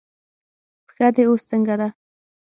پښه دې اوس څنګه ده؟